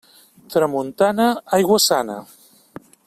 Tramuntana, aigua sana.